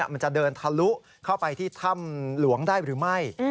มันจะเดินทะลุเข้าไปที่ถ้ำหลวงได้หรือไม่